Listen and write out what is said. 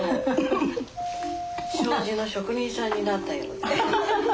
障子の職人さんになったような。